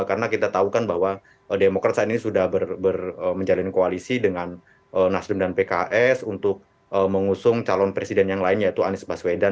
karena kita tahu kan bahwa demokrat saat ini sudah menjalani koalisi dengan nasrim dan pks untuk mengusung calon presiden yang lain yaitu anies baswedan